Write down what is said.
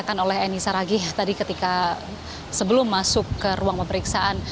yang oleh eni saragih tadi ketika sebelum masuk ke ruang pemeriksaan